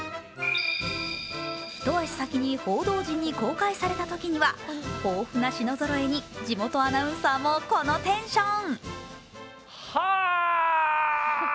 一足先に報道陣に公開されたときには、豊富な品揃えに、地元アナウンサーもこのテンション。